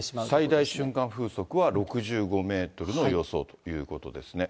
最大瞬間風速は６５メートルの予想ということですね。